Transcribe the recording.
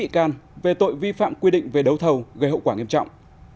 bị can về tội vi phạm quy định về đấu thầu gây hậu quả nghiêm trọng